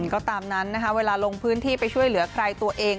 ก็ตามนั้นนะคะเวลาลงพื้นที่ไปช่วยเหลือใครตัวเอง